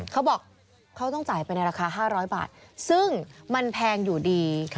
เขาบอกเขาต้องจ่ายไปในราคา๕๐๐บาทซึ่งมันแพงอยู่ดี